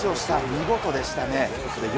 見事でしたね。